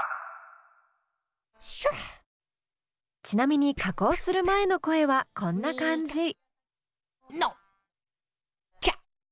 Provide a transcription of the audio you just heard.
ちなみに加工する前の声はこんな感じ。